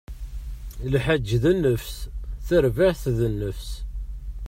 Lḥaǧ d nnefṣ, tarbaɛt d nnefṣ.